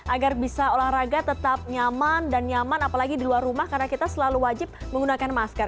agar bisa olahraga tetap nyaman dan nyaman apalagi di luar rumah karena kita selalu wajib menggunakan masker